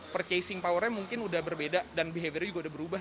purchasing powernya mungkin udah berbeda dan behaviornya juga udah berubah